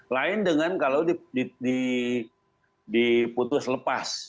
lain dengan kalau diputus lepas